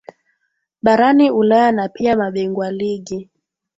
barani ulaya na pia mabingwa ligi